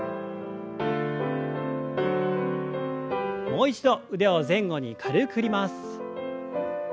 もう一度腕を前後に軽く振ります。